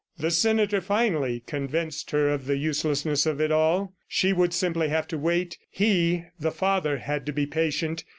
The senator finally convinced her of the uselessness of it all. She would simply have to wait; he, the father, had to be patient.